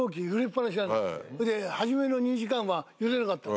それで初めの２時間は揺れなかったの。